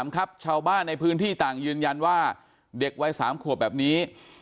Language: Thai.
ครับชาวบ้านในพื้นที่ต่างยืนยันว่าเด็กวัย๓ขวบแบบนี้